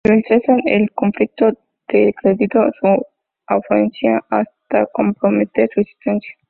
Pero al cesar el conflicto decreció su afluencia, hasta comprometer su existencia.